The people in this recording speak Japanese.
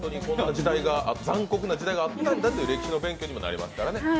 こんな残酷な時代があったんだという歴史の勉強にもなりますからね。